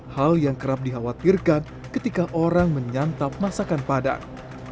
hal yang kerap dikhawatirkan ketika orang menyantap masakan padang